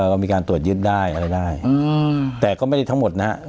ก็มีการตรวจยึดได้อะไรได้แต่ก็ไม่ได้ทั้งหมดนะฮะ